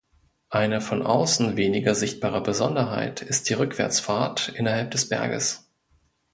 Eine von außen weniger sichtbare Besonderheit ist die Rückwärtsfahrt innerhalb des Berges.